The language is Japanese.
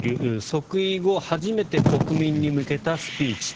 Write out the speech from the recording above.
即位後初めて国民に向けたスピーチ。